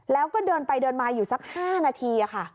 แล้วก็เดินไปเดินมาอยู่สัก๕นาทีค่ะ